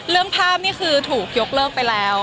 เรื่องภาพนี่คือถูกยกเลิกไปแล้ว